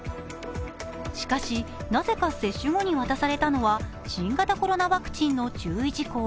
しかし、なぜか接種後に渡されたのは新型コロナウイルスの注意事項。